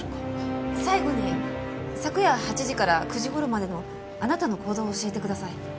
最後に昨夜８時から９時頃までのあなたの行動を教えてください。